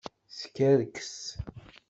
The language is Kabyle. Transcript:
Skerkes.